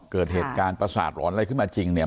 เกิดเหตุการณ์ประสาทหลอนอะไรขึ้นมาจริงเนี่ย